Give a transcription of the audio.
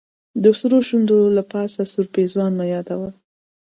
د سرو شونډو له پاسه سور پېزوان مه یادوه.